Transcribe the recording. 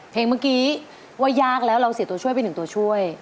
เพลงเมื่อกี้ว่ายากแล้วเราเสียตัวช่วยเป็นหนึ่งตัวช่วย